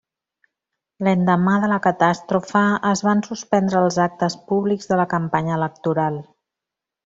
L'endemà de la catàstrofe es van suspendre els actes públics de la campanya electoral.